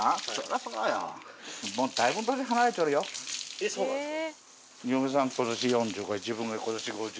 えっそうなんですか？